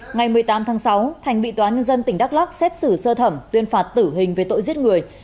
ngày một mươi tám tháng sáu thành bị tòa nhân dân tỉnh đắk lắc xét xử sơ thẩm tuyên phạt tử hình về tội giết người